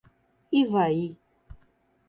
Ivaí